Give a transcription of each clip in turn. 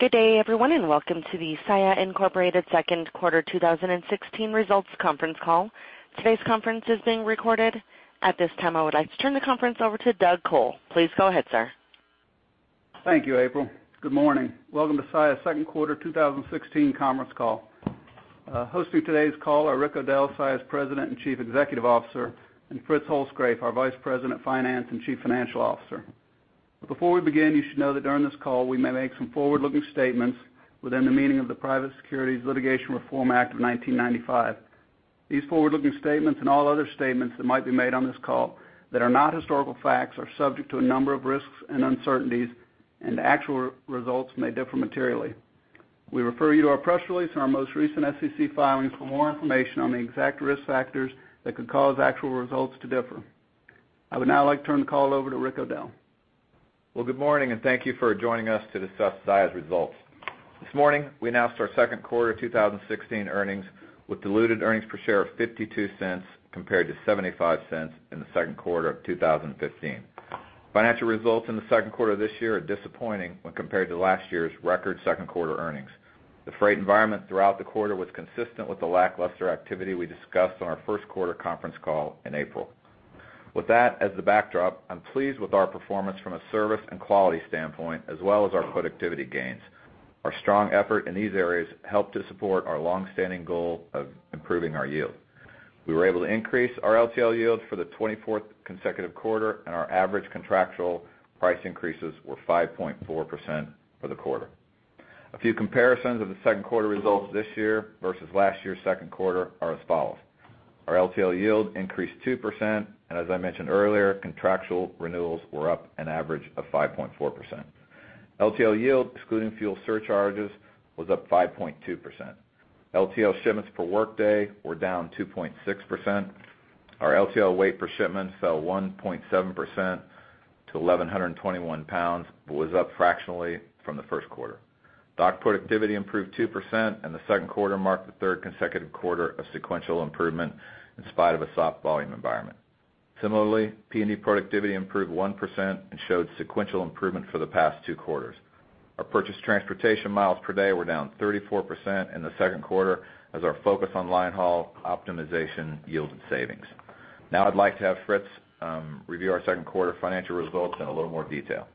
Good day, everyone, and welcome to the Saia Incorporated Second Quarter 2016 Results Conference Call. Today's conference is being recorded. At this time, I would like to turn the conference over to Doug Col. Please go ahead, sir. Thank you, April. Good morning. Welcome to Saia's Second Quarter 2016 conference call. Hosting today's call are Rick O'Dell, Saia's President and Chief Executive Officer, and Fritz Holzgrefe, our Vice President of Finance and Chief Financial Officer. But before we begin, you should know that during this call, we may make some forward-looking statements within the meaning of the Private Securities Litigation Reform Act of 1995. These forward-looking statements and all other statements that might be made on this call that are not historical facts, are subject to a number of risks and uncertainties, and actual results may differ materially. We refer you to our press release and our most recent SEC filings for more information on the exact risk factors that could cause actual results to differ. I would now like to turn the call over to Rick O'Dell. Well, good morning, and thank you for joining us to discuss Saia's results. This morning, we announced our second quarter 2016 earnings, with diluted earnings per share of $0.52 compared to $0.75 in the second quarter of 2015. Financial results in the second quarter this year are disappointing when compared to last year's record second-quarter earnings. The freight environment throughout the quarter was consistent with the lackluster activity we discussed on our first-quarter conference call in April. With that as the backdrop, I'm pleased with our performance from a service and quality standpoint, as well as our productivity gains. Our strong effort in these areas helped to support our long-standing goal of improving our yield. We were able to increase our LTL yield for the 24th consecutive quarter, and our average contractual price increases were 5.4% for the quarter. A few comparisons of the second quarter results this year versus last year's second quarter are as follows: Our LTL yield increased 2%, and as I mentioned earlier, contractual renewals were up an average of 5.4%. LTL yield, excluding fuel surcharges, was up 5.2%. LTL shipments per workday were down 2.6%. Our LTL weight per shipment fell 1.7% to 1,121 pounds, but was up fractionally from the first quarter. Dock productivity improved 2%, and the second quarter marked the third consecutive quarter of sequential improvement in spite of a soft volume environment. Similarly, P&D productivity improved 1% and showed sequential improvement for the past 2 quarters. Our purchased transportation miles per day were down 34% in the second quarter as our focus on line haul optimization yielded savings. Now I'd like to have Fritz review our Second Quarter financial results in a little more detail.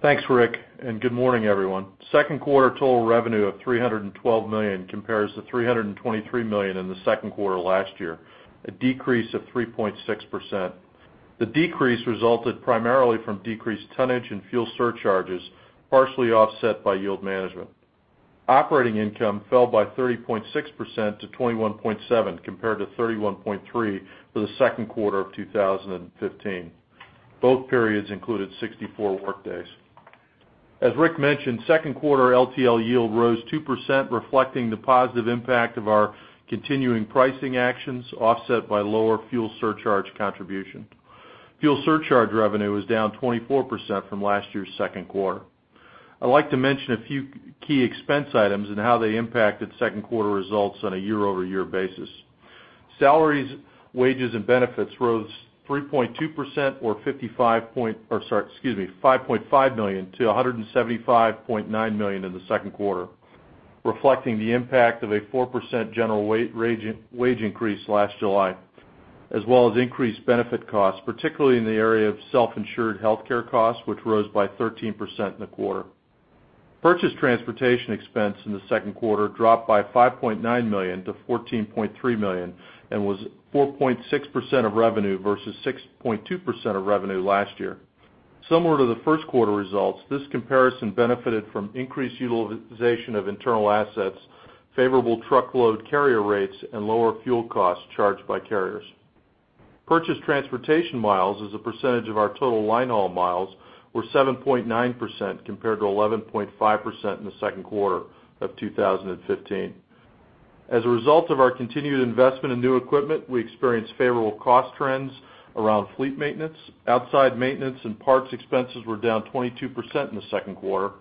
Thanks, Rick, and good morning, everyone. Second quarter total revenue of $312 million compares to $323 million in the second quarter last year, a decrease of 3.6%. The decrease resulted primarily from decreased tonnage and fuel surcharges, partially offset by yield management. Operating income fell by 30.6% to $21.7 million, compared to $31.3 million for the second quarter of 2015. Both periods included 64 workdays. As Rick mentioned, second quarter LTL yield rose 2%, reflecting the positive impact of our continuing pricing actions, offset by lower fuel surcharge contribution. Fuel surcharge revenue was down 24% from last year's second quarter. I'd like to mention a few key expense items and how they impacted second quarter results on a year-over-year basis. Salaries, wages, and benefits rose 3.2% or $5.5 million to $175.9 million in the second quarter, reflecting the impact of a 4% general wage increase last July, as well as increased benefit costs, particularly in the area of self-insured healthcare costs, which rose by 13% in the quarter. Purchased transportation expense in the second quarter dropped by $5.9 million to $14.3 million and was 4.6% of revenue versus 6.2% of revenue last year. Similar to the first quarter results, this comparison benefited from increased utilization of internal assets, favorable truckload carrier rates, and lower fuel costs charged by carriers. Purchased transportation miles as a percentage of our total line haul miles were 7.9%, compared to 11.5% in the second quarter of 2015. As a result of our continued investment in new equipment, we experienced favorable cost trends around fleet maintenance. Outside maintenance and parts expenses were down 22% in the second quarter.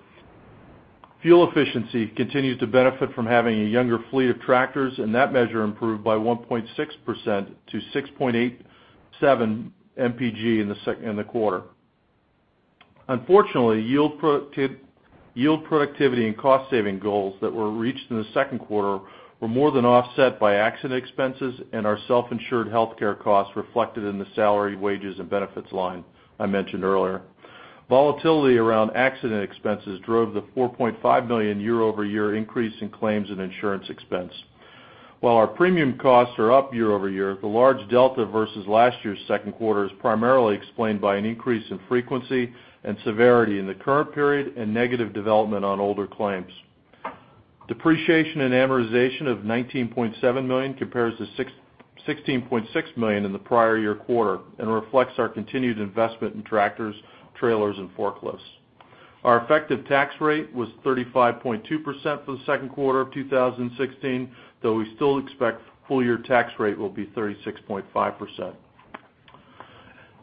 Fuel efficiency continued to benefit from having a younger fleet of tractors, and that measure improved by 1.6% to 6.87 MPG in the quarter. Unfortunately, yield, productivity, and cost-saving goals that were reached in the second quarter were more than offset by accident expenses and our self-insured healthcare costs reflected in the salary, wages, and benefits line I mentioned earlier. Volatility around accident expenses drove the $4.5 million year-over-year increase in claims and insurance expense. While our premium costs are up year-over-year, the large delta versus last year's second quarter is primarily explained by an increase in frequency and severity in the current period and negative development on older claims. Depreciation and amortization of $19.7 million compares to sixteen point six million in the prior year quarter and reflects our continued investment in tractors, trailers, and forklifts. Our effective tax rate was 35.2% for the second quarter of 2016, though we still expect full-year tax rate will be 36.5%.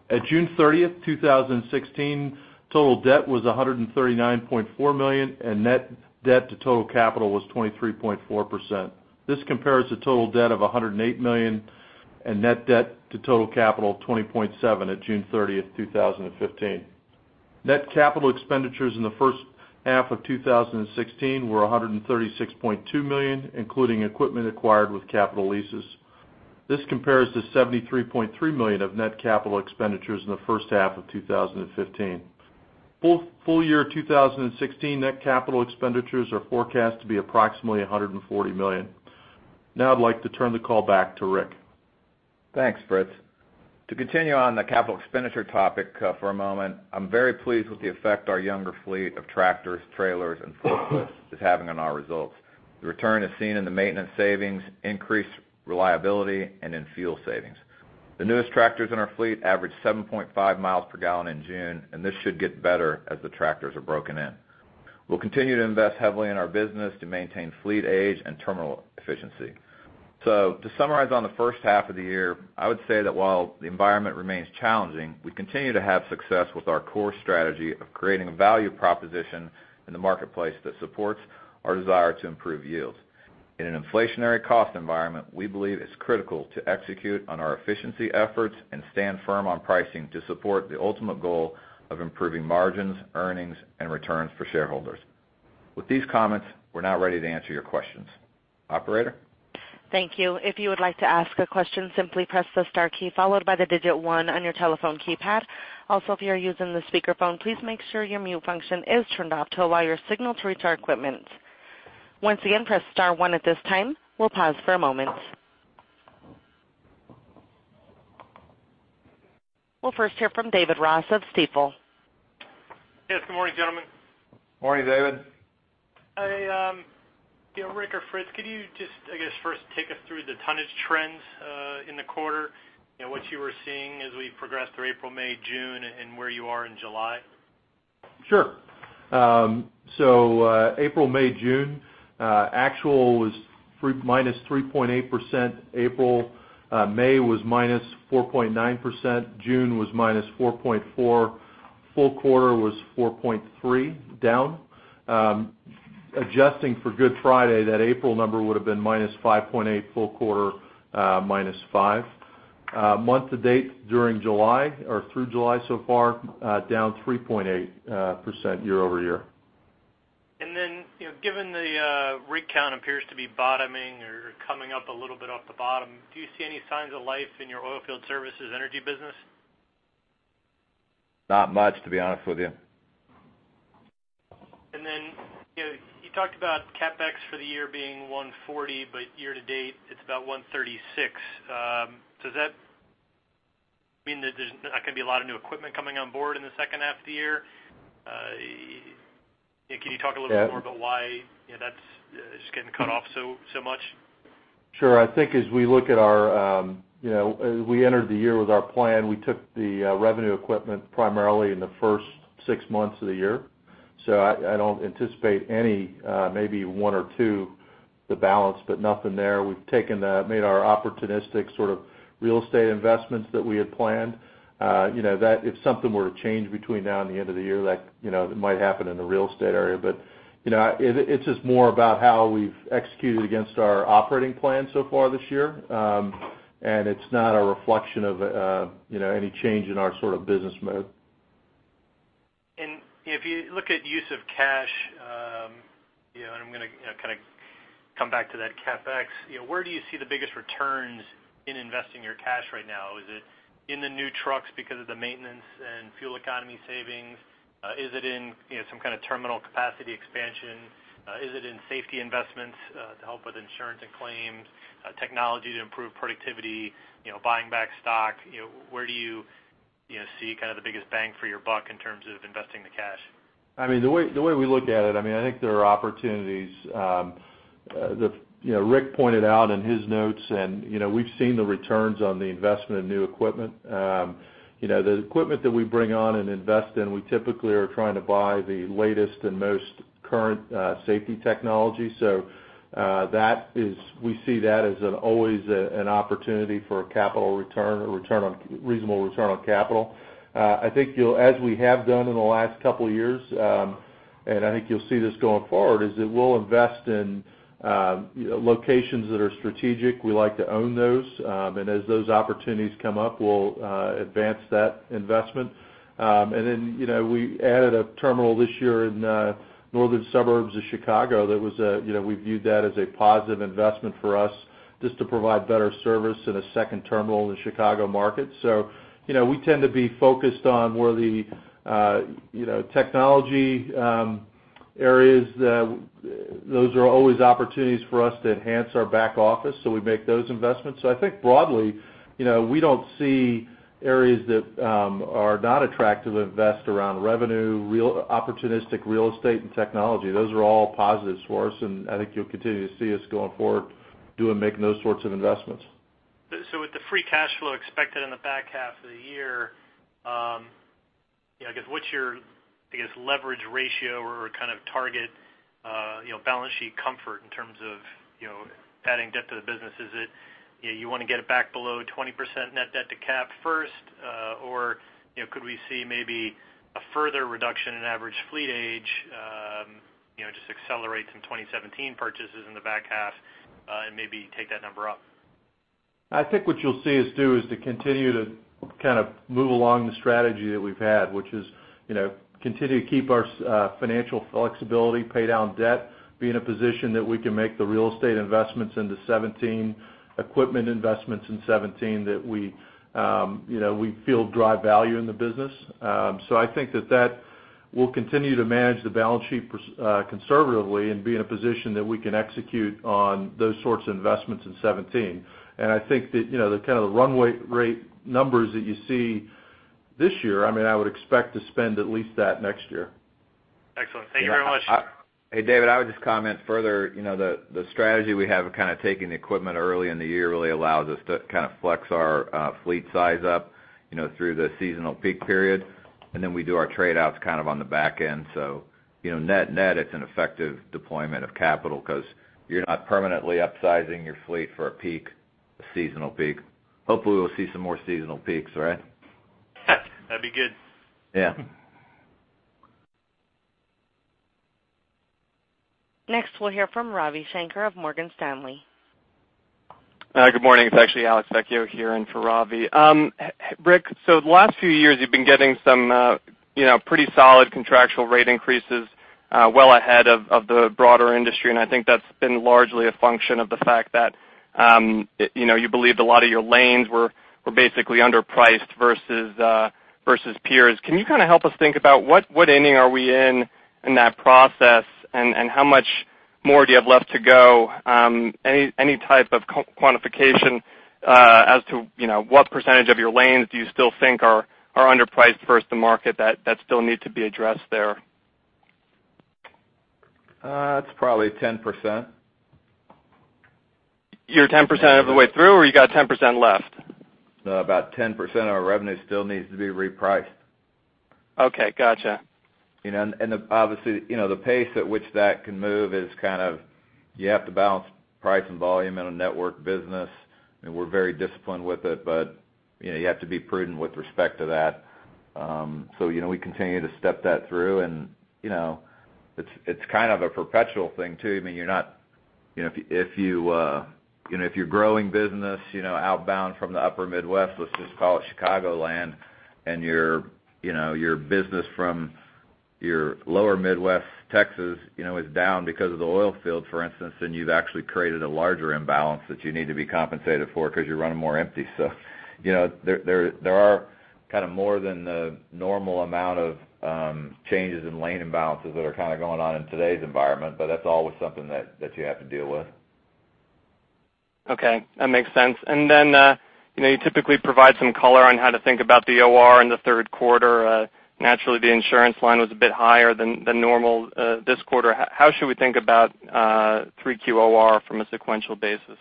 At June thirtieth, 2016, total debt was $139.4 million, and net debt to total capital was 23.4%. This compares to total debt of $108 million and net debt to total capital, 20.7% at June 30th, 2015. Net capital expenditures in the first half of 2016 were $136.2 million, including equipment acquired with capital leases. This compares to $73.3 million of net capital expenditures in the first half of 2015. Full year 2016 net capital expenditures are forecast to be approximately $140 million. Now, I'd like to turn the call back to Rick. Thanks, Fritz. To continue on the capital expenditure topic for a moment, I'm very pleased with the effect our younger fleet of tractors, trailers, and forklifts is having on our results. The return is seen in the maintenance savings, increased reliability, and in fuel savings. The newest tractors in our fleet average 7.5 miles per gallon in June, and this should get better as the tractors are broken in. We'll continue to invest heavily in our business to maintain fleet age and terminal efficiency. To summarize on the first half of the year, I would say that while the environment remains challenging, we continue to have success with our core strategy of creating a value proposition in the marketplace that supports our desire to improve yields. In an inflationary cost environment, we believe it's critical to execute on our efficiency efforts and stand firm on pricing to support the ultimate goal of improving margins, earnings, and returns for shareholders. With these comments, we're now ready to answer your questions. Operator? Thank you. If you would like to ask a question, simply press the star key followed by the digit one on your telephone keypad. Also, if you are using the speakerphone, please make sure your mute function is turned off to allow your signal to reach our equipment. Once again, press star one at this time. We'll pause for a moment. We'll first hear from David Ross of Stifel. Yes, good morning, gentlemen. Morning, David. I, you know, Rick or Fritz, could you just, I guess, first take us through the tonnage trends in the quarter and what you were seeing as we progressed through April, May, June, and where you are in July? Sure. So, April, May, June, actual was minus 3.8%, April. May was minus 4.9%, June was minus 4.4%, full quarter was 4.3 down. Adjusting for Good Friday, that April number would have been minus 5.8%, full quarter minus 5%. Month to date during July or through July so far, down 3.8% year-over-year. Then, you know, given the rig count appears to be bottoming or coming up a little bit off the bottom, do you see any signs of life in your oilfield services energy business? Not much, to be honest with you. Then, you know, you talked about CapEx for the year being $140, but year to date, it's about $136. Does that mean that there's not gonna be a lot of new equipment coming on board in the second half of the year? Yeah, can you talk a little bit more about why, you know, that's, it's getting cut off so much? Sure. I think as we look at our, you know, as we entered the year with our plan, we took the revenue equipment primarily in the first six months of the year. So I don't anticipate any, maybe one or two, the balance, but nothing there. We've taken the-- made our opportunistic sort of real estate investments that we had planned. You know, that if something were to change between now and the end of the year, like, you know, it might happen in the real estate area. But, you know, it, it's just more about how we've executed against our operating plan so far this year. And it's not a reflection of, you know, any change in our sort of business mode. If you look at use of cash, you know, and I'm gonna, kind of come back to that CapEx, you know, where do you see the biggest returns in investing your cash right now? Is it in the new trucks because of the maintenance and fuel economy savings? Is it in, you know, some kind of terminal capacity expansion? Is it in safety investments, to help with insurance and claims, technology to improve productivity, you know, buying back stock? You know, where do you, you know, see kind of the biggest bang for your buck in terms of investing the cash? I mean, the way, the way we look at it, I mean, I think there are opportunities. You know, Rick pointed out in his notes, and, you know, we've seen the returns on the investment in new equipment. You know, the equipment that we bring on and invest in, we typically are trying to buy the latest and most current, safety technology. So, that is, we see that as an always, an opportunity for a capital return, a return on, reasonable return on capital. I think you'll, as we have done in the last couple of years, and I think you'll see this going forward, is that we'll invest in, locations that are strategic. We like to own those, and as those opportunities come up, we'll, advance that investment. And then, you know, we added a terminal this year in northern suburbs of Chicago. That was a, you know, we viewed that as a positive investment for us, just to provide better service in a second terminal in the Chicago market. So, you know, we tend to be focused on where the, you know, technology areas, that those are always opportunities for us to enhance our back office, so we make those investments. So I think broadly, you know, we don't see areas that are not attractive to invest around revenue, real opportunistic real estate, and technology. Those are all positives for us, and I think you'll continue to see us going forward, doing, making those sorts of investments. So with the free cash flow expected in the back half of the year, yeah, I guess, what's your, I guess, leverage ratio or kind of target, you know, balance sheet comfort in terms of, you know, adding debt to the business? Is it, you know, you want to get it back below 20% net debt to cap first, or, you know, could we see maybe a further reduction in average fleet age, 2017 purchases in the back half, and maybe take that number up? I think what you'll see us do is to continue to kind of move along the strategy that we've had, which is, you know, continue to keep our financial flexibility, pay down debt, be in a position that we can make the real estate investments into 2017, equipment investments in 2017 that we, you know, we feel drive value in the business. So I think that that will continue to manage the balance sheet conservatively and be in a position that we can execute on those sorts of investments in 2017. I think that, you know, the kind of the runway rate numbers that you see this year, I mean, I would expect to spend at least that next year. Excellent. Thank you very much. Yeah, hey, David, I would just comment further. You know, the strategy we have of kind of taking the equipment early in the year really allows us to kind of flex our fleet size up, you know, through the seasonal peak period, and then we do our trade-outs kind of on the back end. So, you know, net-net, it's an effective deployment of capital because you're not permanently upsizing your fleet for a peak, a seasonal peak. Hopefully, we'll see some more seasonal peaks, right? That'd be good. Yeah. Next, we'll hear from Ravi Shanker of Morgan Stanley. Good morning. It's actually Alex Vecchio here in for Ravi. Rick, so the last few years, you've been getting some, you know, pretty solid contractual rate increases, well ahead of the broader industry, and I think that's been largely a function of the fact that, it, you know, you believed a lot of your lanes were basically underpriced versus peers. Can you kind of help us think about what inning are we in in that process, and how much more do you have left to go? Any type of quantification as to, you know, what percentage of your lanes do you still think are underpriced versus the market that still need to be addressed there? It's probably 10%. You're 10% of the way through, or you got 10% left? No, about 10% of our revenue still needs to be repriced. Okay, gotcha. You know, obviously, you know, the pace at which that can move is kind of, you have to balance price and volume in a network business, and we're very disciplined with it, but, you know, you have to be prudent with respect to that. So, you know, we continue to step that through, and, you know, it's kind of a perpetual thing, too. I mean, you're not, you know, if you're growing business, you know, outbound from the upper Midwest, let's just call it Chicagoland, and your, you know, your business from your lower Midwest, Texas, you know, is down because of the oil field, for instance, then you've actually created a larger imbalance that you need to be compensated for because you're running more empty. So, you know, there are kind of more than the normal amount of changes in lane imbalances that are kind of going on in today's environment, but that's always something that you have to deal with. Okay, that makes sense. Then, you know, you typically provide some color on how to think about the OR in the third quarter. Naturally, the insurance line was a bit higher than, than normal, this quarter. How should we think about 3Q OR from a sequential basis?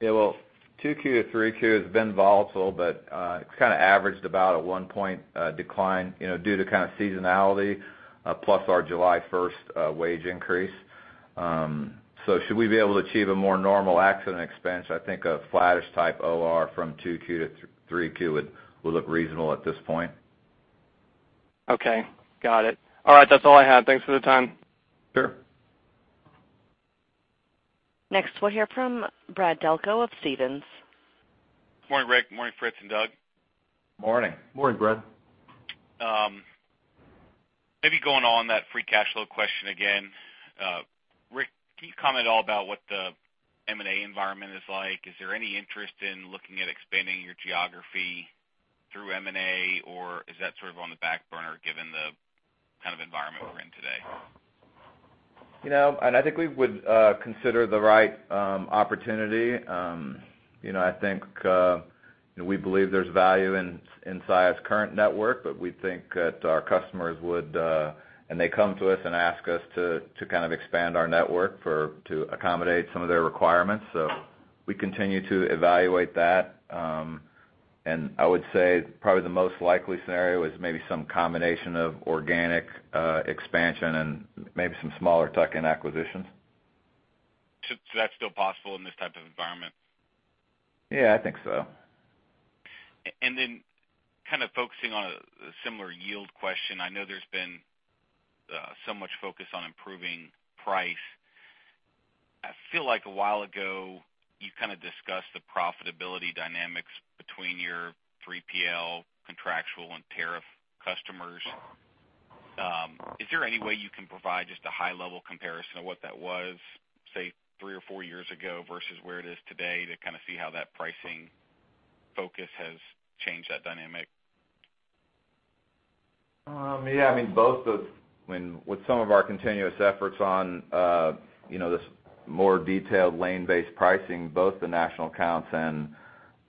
Yeah, well, 2Q to 3Q has been volatile, but it's kind of averaged about a 1-point decline, you know, due to kind of seasonality, plus our July 1st wage increase. So should we be able to achieve a more normal accident expense, I think a flattish type OR from 2Q to 3Q would look reasonable at this point. Okay, got it. All right, that's all I had. Thanks for the time. Sure. Next, we'll hear from Brad Delco of Stephens. Good morning, Rick. Morning, Fritz and Doug. Morning. Morning, Brad. Maybe going on that free cash flow question again. Rick, can you comment at all about what the M&A environment is like? Is there any interest in looking at expanding your geography through M&A, or is that sort of on the back burner, given the kind of environment we're in today? You know, and I think we would consider the right opportunity. You know, I think you know, we believe there's value inside its current network, but we think that our customers would... and they come to us and ask us to kind of expand our network to accommodate some of their requirements. So we continue to evaluate that. I would say probably the most likely scenario is maybe some combination of organic expansion and maybe some smaller tuck-in acquisitions. So, that's still possible in this type of environment? Yeah, I think so. And then kind of focusing on a similar yield question. I know there's been so much focus on improving price. I feel like a while ago, you kind of discussed the profitability dynamics between your 3PL contractual and tariff customers. Is there any way you can provide just a high-level comparison of what that was, say, three or four years ago versus where it is today, to kind of see how that pricing focus has changed that dynamic? Yeah, I mean, with some of our continuous efforts on, you know, this more detailed lane-based pricing, both the national accounts and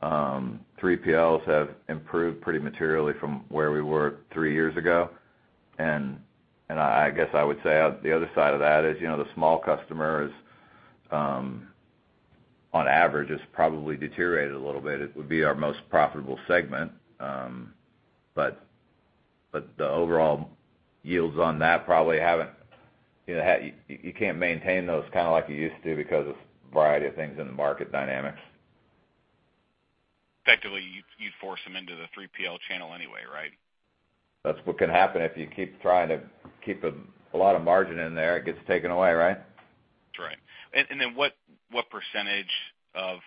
3PLs have improved pretty materially from where we were three years ago. And I guess I would say on the other side of that is, you know, the small customers, on average, has probably deteriorated a little bit. It would be our most profitable segment, but the overall yields on that probably haven't, you know, you can't maintain those kind of like you used to because of variety of things in the market dynamics. Effectively, you force them into the 3PL channel anyway, right? That's what can happen if you keep trying to keep a lot of margin in there, it gets taken away, right? That's right. And then what percentage of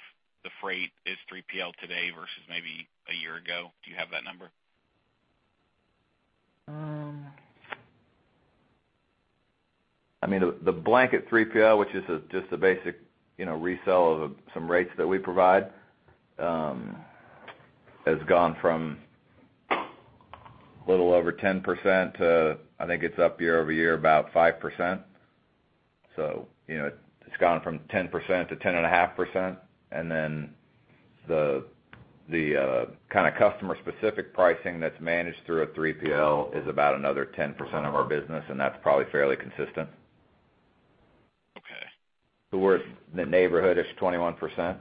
the freight is 3PL today versus maybe a year ago? Do you have that number? I mean, the blanket 3PL, which is just a basic, you know, resell of some rates that we provide, has gone from a little over 10% to, I think it's up year-over-year, about 5%. So, you know, it's gone from 10% to 10.5%. And then the kind of customer-specific pricing that's managed through a 3PL is about another 10% of our business, and that's probably fairly consistent. Okay. We're in the neighborhood of 21%.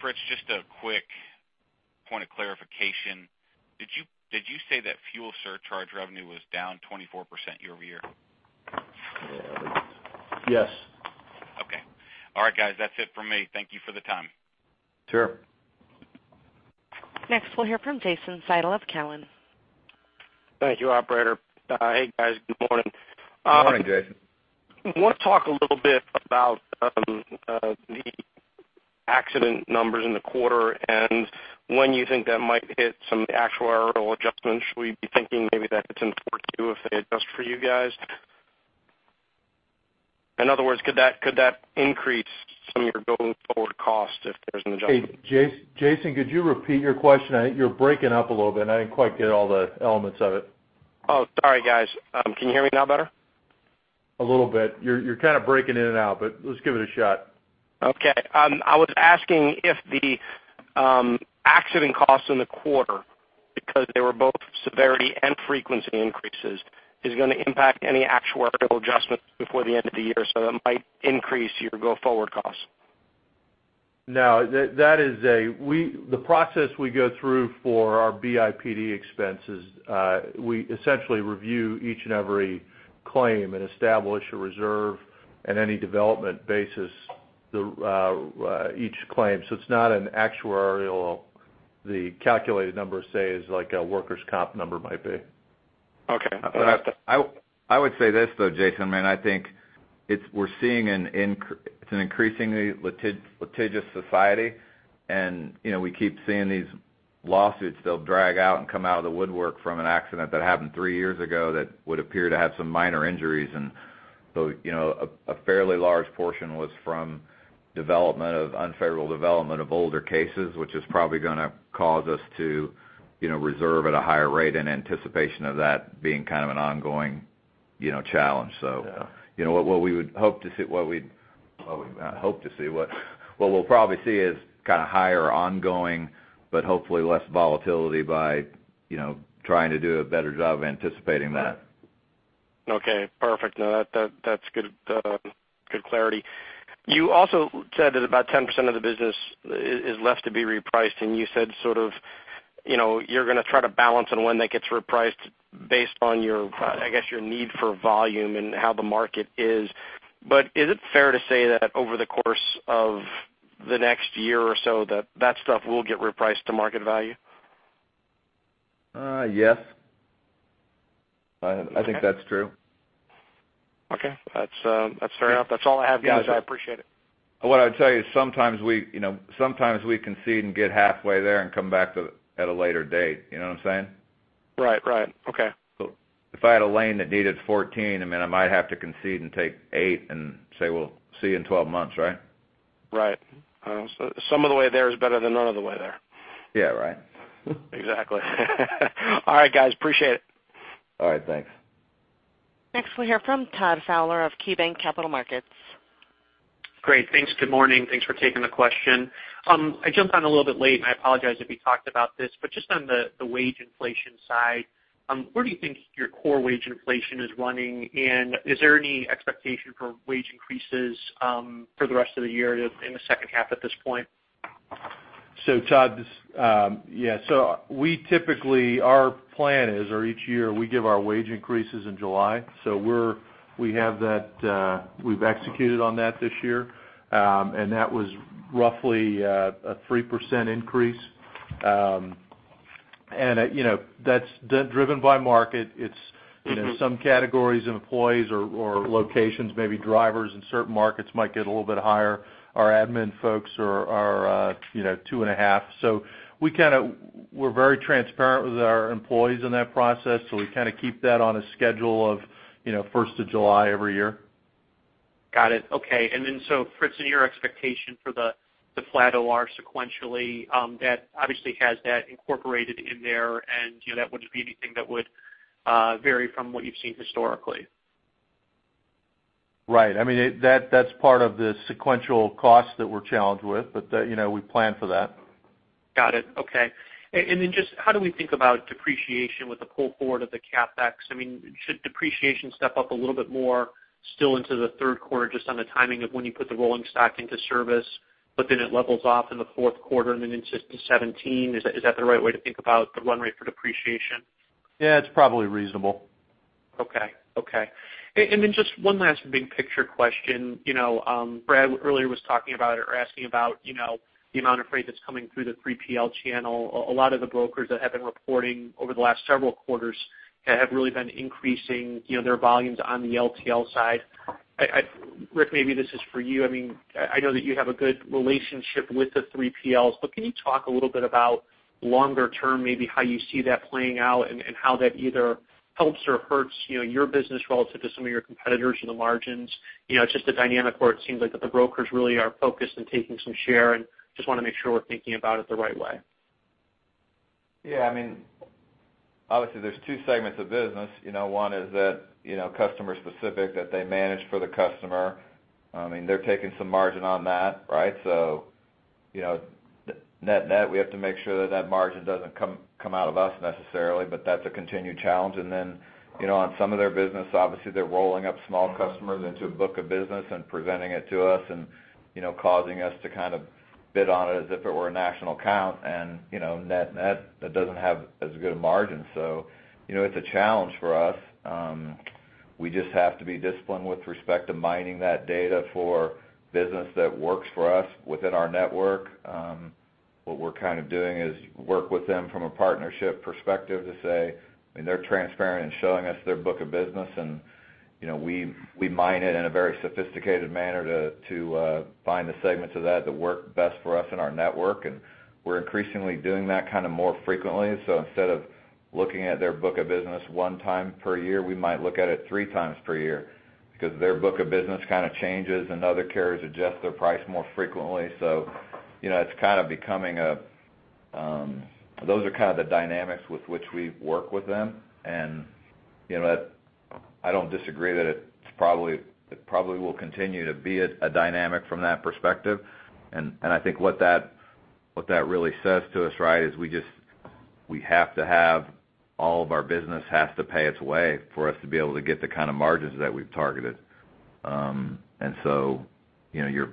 Fritz, just a quick point of clarification. Did you, did you say that fuel surcharge revenue was down 24% year-over-year? Yes. Okay. All right, guys, that's it for me. Thank you for the time. Sure. Next, we'll hear from Jason Seidl of Cowen. Thank you, operator. Hey, guys, good morning. Morning, Jason. I want to talk a little bit about the accident numbers in the quarter and when you think that might hit some actuarial adjustments. Should we be thinking maybe that it's in quarter two, if they adjust for you guys? In other words, could that, could that increase some of your going forward costs if there's an adjustment? Hey, Jason, could you repeat your question? I think you're breaking up a little bit, and I didn't quite get all the elements of it. Oh, sorry, guys. Can you hear me now better? A little bit. You're, you're kind of breaking in and out, but let's give it a shot. Okay. I was asking if the accident costs in the quarter, because they were both severity and frequency increases, is going to impact any actuarial adjustments before the end of the year, so that might increase your go-forward costs? No, that, that is a. We, the process we go through for our BIPD expenses, we essentially review each and every claim and establish a reserve at any development basis, the, each claim. So it's not an actuarial, the calculated number, say, is like a workers' comp number might be. Okay. I would say this, though, Jason. I mean, I think it's an increasingly litigious society, and, you know, we keep seeing these lawsuits. They'll drag out and come out of the woodwork from an accident that happened three years ago that would appear to have some minor injuries. And so, you know, a fairly large portion was from unfavorable development of older cases, which is probably gonna cause us to, you know, reserve at a higher rate in anticipation of that being kind of an ongoing, you know, challenge. So. Yeah. You know, what we would hope to see, what we'd not hope to see, what we'll probably see is kind of higher ongoing, but hopefully less volatility by, you know, trying to do a better job anticipating that. Okay, perfect. No, that's good, good clarity. You also said that about 10% of the business is left to be repriced, and you said sort of, you know, you're going to try to balance on when that gets repriced based on your, I guess, your need for volume and how the market is. But is it fair to say that over the course of the next year or so, that stuff will get repriced to market value? Yes. I think that's true. Okay. That's, that's fair enough. That's all I have, guys. I appreciate it. What I'd tell you is sometimes we, you know, sometimes we concede and get halfway there and come back to at a later date. You know what I'm saying? Right. Right. Okay. So if I had a lane that needed 14, I mean, I might have to concede and take eight and say, "Well, see you in 12 months," right? Right. Some of the way there is better than none of the way there. Yeah, right. Exactly. All right, guys, appreciate it. All right, thanks. Next, we'll hear from Todd Fowler of KeyBanc Capital Markets. Great, thanks. Good morning. Thanks for taking the question. I jumped on a little bit late, and I apologize if we talked about this, but just on the wage inflation side, where do you think your core wage inflation is running? And is there any expectation for wage increases, for the rest of the year, in the second half at this point? So, Todd, we typically, our plan is, or each year, we give our wage increases in July. We're - we have that, we've executed on that this year. And that was roughly a 3% increase. And, you know, that's driven by market. It's, you know, some categories of employees or, or locations, maybe drivers in certain markets might get a little bit higher. Our admin folks are, are, you know, 2.5. So we kind of, we're very transparent with our employees in that process, so we kind of keep that on a schedule of, you know, first of July every year. Got it. Okay. And then, so Fritz, in your expectation for the flat OR sequentially, that obviously has that incorporated in there, and, you know, that wouldn't be anything that would vary from what you've seen historically. Right. I mean, that, that's part of the sequential costs that we're challenged with, but, you know, we plan for that. Got it. Okay. And then just how do we think about depreciation with the pull forward of the CapEx? I mean, should depreciation step up a little bit more still into the third quarter, just on the timing of when you put the rolling stock into service, but then it levels off in the fourth quarter and then into 2017? Is that, is that the right way to think about the run rate for depreciation? Yeah, it's probably reasonable. Okay, okay. And then just one last big picture question. You know, Brad earlier was talking about or asking about, you know, the amount of freight that's coming through the 3PL channel. A lot of the brokers that have been reporting over the last several quarters have really been increasing, you know, their volumes on the LTL side. I, Rick, maybe this is for you. I mean, I know that you have a good relationship with the 3PLs, but can you talk a little bit about longer term, maybe how you see that playing out and how that either helps or hurts, you know, your business relative to some of your competitors and the margins? You know, just the dynamic where it seems like that the brokers really are focused on taking some share, and just wanna make sure we're thinking about it the right way. Yeah, I mean, obviously, there's two segments of business. You know, one is that, you know, customer specific, that they manage for the customer. I mean, they're taking some margin on that, right? So, you know, net net, we have to make sure that that margin doesn't come out of us necessarily, but that's a continued challenge. And then, you know, on some of their business, obviously, they're rolling up small customers into a book of business and presenting it to us and, you know, causing us to kind of bid on it as if it were a national account. And, you know, net net, that doesn't have as good a margin. So, you know, it's a challenge for us. We just have to be disciplined with respect to mining that data for business that works for us within our network. What we're kind of doing is work with them from a partnership perspective to say... I mean, they're transparent in showing us their book of business, and, you know, we, we mine it in a very sophisticated manner to, to, find the segments of that, that work best for us in our network. And we're increasingly doing that kind of more frequently. So instead of looking at their book of business one time per year, we might look at it three times per year. Because their book of business kind of changes, and other carriers adjust their price more frequently. So, you know, it's kind of becoming a, those are kind of the dynamics with which we work with them. And, you know, that I don't disagree that it's probably- it probably will continue to be a, a dynamic from that perspective. I think what that really says to us, right, is we just have to have all of our business has to pay its way for us to be able to get the kind of margins that we've targeted. And so, you know, your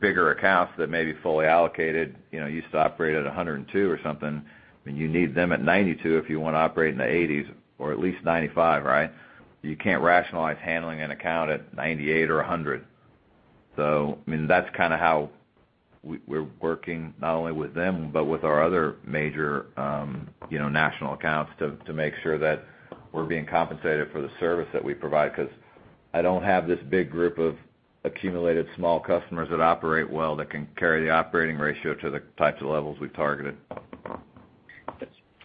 bigger accounts that may be fully allocated, you know, used to operate at 102 or something, and you need them at 92 if you want to operate in the 80s or at least 95, right? You can't rationalize handling an account at 98 or 100. So, I mean, that's kind of how we're working, not only with them, but with our other major, you know, national accounts, to make sure that we're being compensated for the service that we provide. Because I don't have this big group of accumulated small customers that operate well, that can carry the operating ratio to the types of levels we've targeted.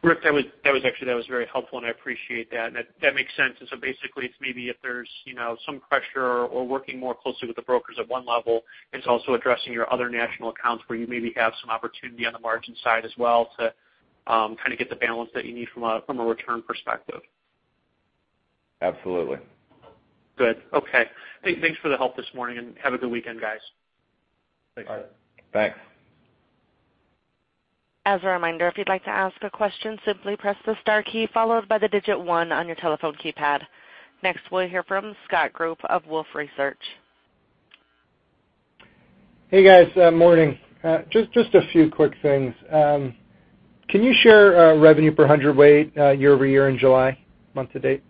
Rick, that was, that was actually, that was very helpful, and I appreciate that. That, that makes sense. And so basically, it's maybe if there's, you know, some pressure or working more closely with the brokers at one level, it's also addressing your other national accounts where you maybe have some opportunity on the margin side as well to, kind of get the balance that you need from a, from a return perspective. Absolutely. Good. Okay. Hey, thanks for the help this morning, and have a good weekend, guys. Thanks. As a reminder, if you'd like to ask a question, simply press the star key followed by the digit one on your telephone keypad. Next, we'll hear from Scott Group of Wolfe Research. Hey, guys, morning. Just a few quick things. Can you share revenue per hundredweight year-over-year in July, month-to-date?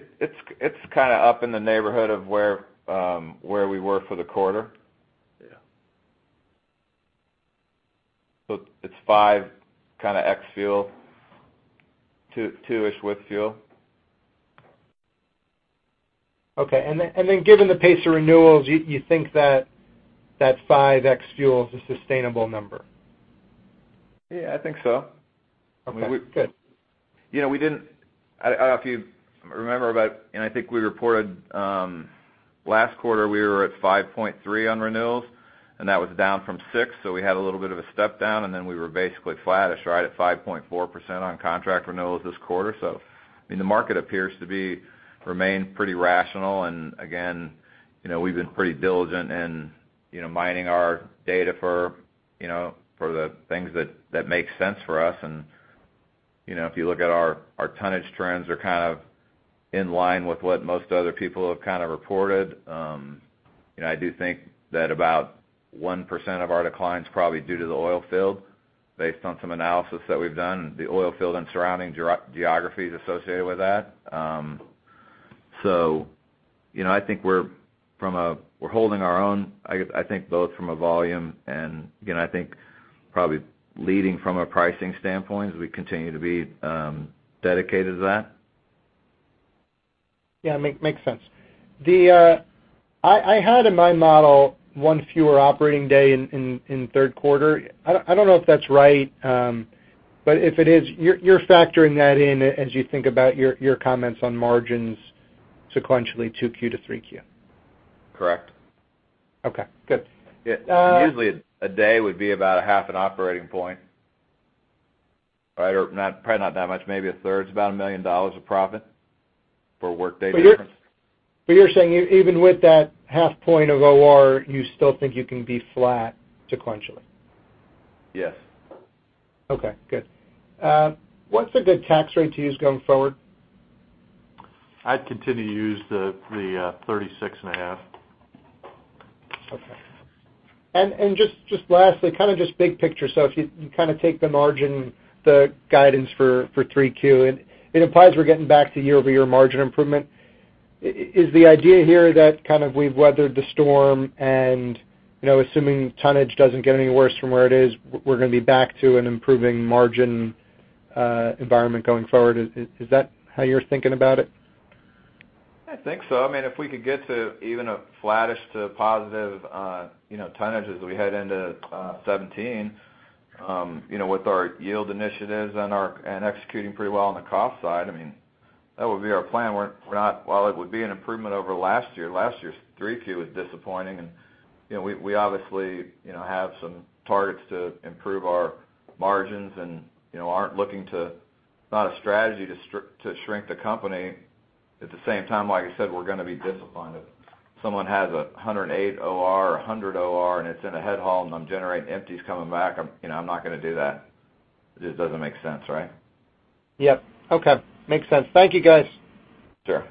It's kind of up in the neighborhood of where we were for the quarter. Yeah. It's five, kind of ex fuel, two, two-ish with fuel. Okay. And then, given the pace of renewals, you think that five ex fuel is a sustainable number? Yeah, I think so. Okay, good. You know, we didn't, I don't know if you remember, about, and I think we reported last quarter, we were at 5.3 on renewals, and that was down from 6. So we had a little bit of a step down, and then we were basically flat-ish, right at 5.4% on contract renewals this quarter. So, I mean, the market appears to be remained pretty rational, and again, you know, we've been pretty diligent in, you know, mining our data for, you know, for the things that, that make sense for us. And, you know, if you look at our, our tonnage trends are kind of in line with what most other people have kind of reported. You know, I do think that about 1% of our declines are probably due to the oil field, based on some analysis that we've done, the oil field and surrounding geography associated with that. So, you know, I think we're from a, we're holding our own. I think both from a volume and, again, I think probably leading from a pricing standpoint, as we continue to be dedicated to that. Yeah, makes sense. I had in my model one fewer operating day in third quarter. I don't know if that's right, but if it is, you're factoring that in as you think about your comments on margins sequentially, 2Q to 3Q? Correct. Okay, good. Yeah, usually, a day would be about a half an operating point, right? Or not, probably not that much, maybe a third, it's about $1 million of profit for a workday difference. But you're saying even with that half point of OR, you still think you can be flat sequentially? Yes. Okay, good. What's a good tax rate to use going forward? I'd continue to use the 36.5. Okay. And just lastly, kind of big picture. So if you kind of take the margin, the guidance for 3Q, it implies we're getting back to year-over-year margin improvement. Is the idea here that kind of we've weathered the storm and, you know, assuming tonnage doesn't get any worse from where it is, we're gonna be back to an improving margin environment going forward? Is that how you're thinking about it? I think so. I mean, if we could get to even a flattish to positive, you know, tonnages as we head into 2017, you know, with our yield initiatives and executing pretty well on the cost side, I mean, that would be our plan. We're not—while it would be an improvement over last year, last year's Q3 was disappointing, and, you know, we obviously, you know, have some targets to improve our margins and, you know, aren't looking to... It's not a strategy to shrink the company. At the same time, like I said, we're gonna be disciplined. If someone has a 108 OR or a 100 OR, and it's in a head haul, and I'm generating empties coming back, I'm, you know, I'm not gonna do that. It just doesn't make sense, right? Yep. Okay. Makes sense. Thank you, guys. Sure.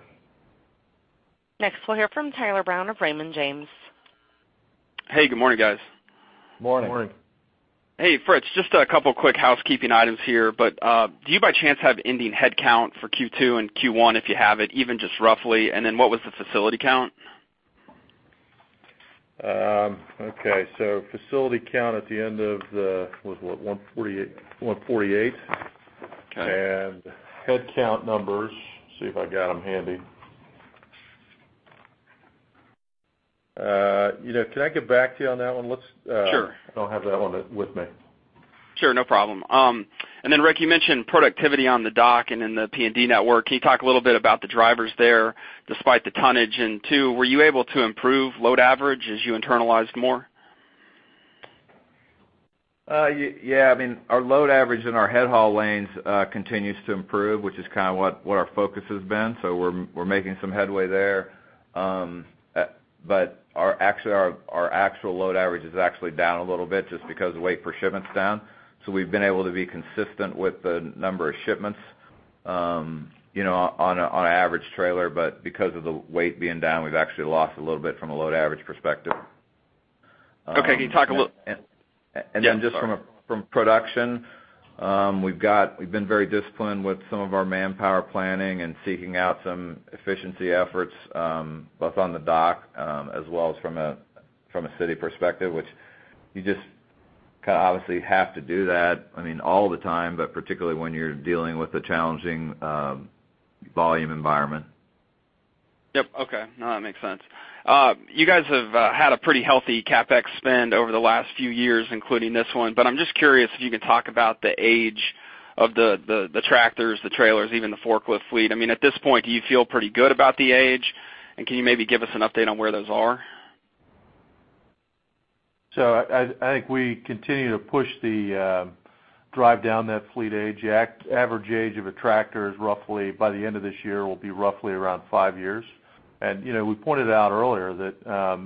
Next, we'll hear from Tyler Brown of Raymond James. Hey, good morning, guys. Morning. Morning. Hey, Fritz, just a couple quick housekeeping items here, but, do you by chance have ending headcount for Q2 and Q1, if you have it, even just roughly? And then what was the facility count? Okay, so facility count at the end of the, it was what? 148. 148. Okay. And headcount numbers, see if I got them handy. You know, can I get back to you on that one? Let's Sure. I don't have that one with me. Sure, no problem. And then, Rick, you mentioned productivity on the dock and in the P&D network. Can you talk a little bit about the drivers there despite the tonnage? And two, were you able to improve load average as you internalized more? Yeah. I mean, our load average in our head haul lanes continues to improve, which is kind of what our focus has been. So we're making some headway there. But actually, our actual load average is actually down a little bit just because the weight per shipment's down. So we've been able to be consistent with the number of shipments, you know, on an average trailer, but because of the weight being down, we've actually lost a little bit from a load average perspective. Okay, can you talk a little- And then just from a- Yeah, sorry. From production, we've been very disciplined with some of our manpower planning and seeking out some efficiency efforts, both on the dock as well as from a city perspective, which you just kind of obviously have to do that, I mean, all the time, but particularly when you're dealing with a challenging volume environment. Yep. Okay. No, that makes sense. You guys have had a pretty healthy CapEx spend over the last few years, including this one, but I'm just curious if you can talk about the age of the tractors, the trailers, even the forklift fleet. I mean, at this point, do you feel pretty good about the age? And can you maybe give us an update on where those are? So I think we continue to push the drive down that fleet age. The average age of a tractor is roughly, by the end of this year, will be roughly around five years. And, you know, we pointed out earlier that,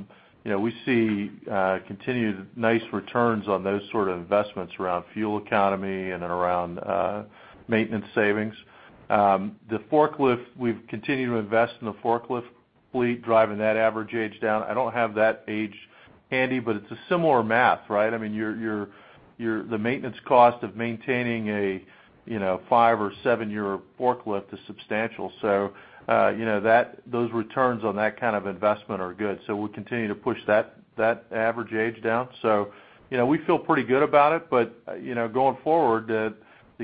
you know, we see continued nice returns on those sort of investments around fuel economy and around maintenance savings. The forklift, we've continued to invest in the forklift fleet, driving that average age down. I don't have that age handy, but it's a similar math, right? I mean, your The maintenance cost of maintaining a, you know, 5- or 7-year forklift is substantial. So, you know that, those returns on that kind of investment are good, so we'll continue to push that average age down. So, you know, we feel pretty good about it, but, you know, going forward, to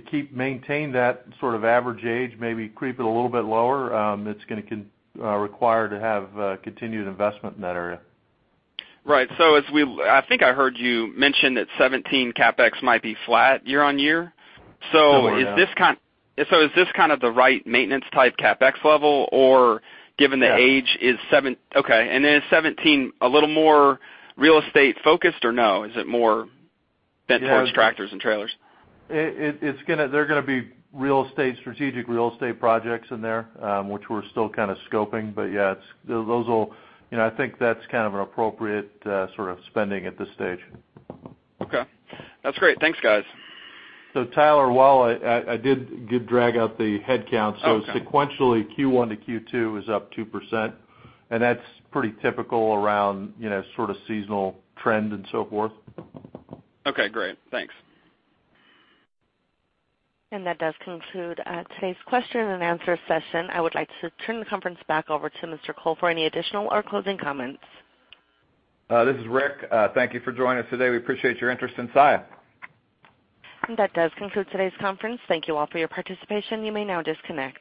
keep maintaining that sort of average age, maybe creep it a little bit lower, it's gonna require to have continued investment in that area. Right. So as we, I think I heard you mention that 2017 CapEx might be flat year on year? Somewhere, yeah. So is this kind of the right maintenance type CapEx level, or given the- Yeah age is seven, okay. And then is 17 a little more real estate focused, or no? Is it more bent towards tractors and trailers? It's gonna—there are gonna be real estate, strategic real estate projects in there, which we're still kind of scoping. But yeah, it's, those will... You know, I think that's kind of an appropriate, sort of spending at this stage. Okay. That's great. Thanks, guys. So Tyler, while I did drag out the headcount- Okay. So sequentially, Q1 to Q2 is up 2%, and that's pretty typical around, you know, sort of seasonal trend and so forth. Okay, great. Thanks. That does conclude today's question and answer session. I would like to turn the conference back over to Mr. Col for any additional or closing comments. This is Rick. Thank you for joining us today. We appreciate your interest in Saia. That does conclude today's conference. Thank you all for your participation. You may now disconnect.